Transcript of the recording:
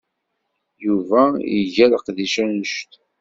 Yuba iga leqdic annect.